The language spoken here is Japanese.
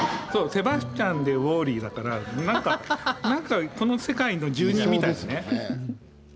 セバスチャンでウォーリーだから、なんかこの世界の住人みたいだよね。